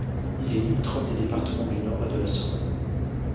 Il est limitrophe des départements du Nord et de la Somme.